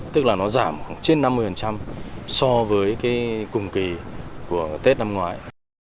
tức là nó giảm khoảng trên năm mươi so với cùng kỳ của tết năm ngoái